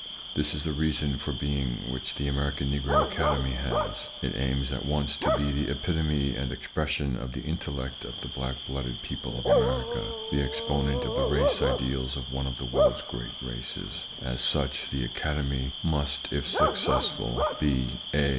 This is the reason for being which the American Negro Academy has. It aims at once to be the epitome and expression of the intellect of the black blooded people of America, the exponent of the race ideals of one of the world's great races. As such, the Academy must, if successful, be (a).